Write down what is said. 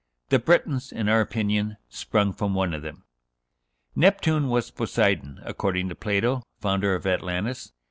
The Bretons, in our opinion, sprung from one of them." Neptune was Poseidon, according to Plato, founder of Atlantis.